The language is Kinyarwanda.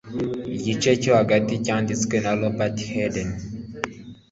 igice cyo hagati cyanditswe na robert hayden